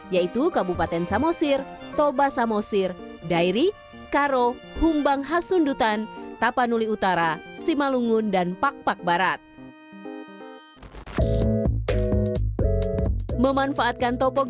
yaitu kabupaten samosir toba samosir dairi karo humbang hasundutan tapanuli utara simalungun dan pak pak barat